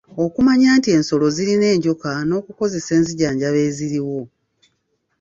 Okumanya nti ensolo zirina enjoka n’okukozesa enzijanjaba eziriwo.